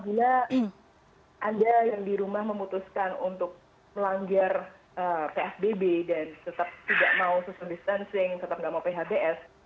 bila anda yang di rumah memutuskan untuk melanggar psbb dan tetap tidak mau social distancing tetap nggak mau phds